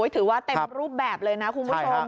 ถือว่าเต็มรูปแบบเลยนะคุณผู้ชม